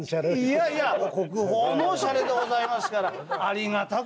いやいや国宝のシャレでございますからありがたく。